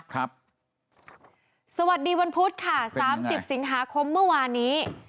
ครับสวัสดีวันพุธค่ะสามสิบสิงหาคมเมื่อวานี้